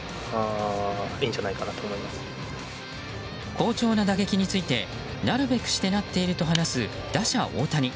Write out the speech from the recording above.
好調な打撃についてなるべくしてなっていると話す打者・大谷。